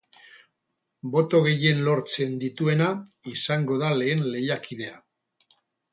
Boto gehien lortzen dituena izango da lehen lehiakidea.